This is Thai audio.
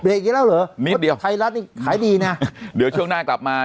เปลี่ยนไปกี๊ละเหรอไทรัฐนี่ขายดีนะเดี๋ยวช่วงหน้ากลับมา